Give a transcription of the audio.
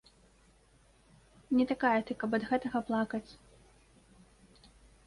Не такая ты, каб ад гэтага плакаць.